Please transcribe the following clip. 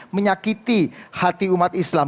menyakiti hati umat islam